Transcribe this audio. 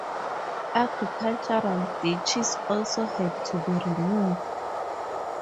Agricultural ditches also had to be removed.